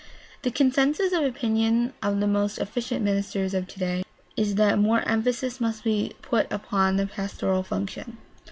The consensus of opinion of the most efficient ministers of today is that more emphasis must be put upon the pastoral function.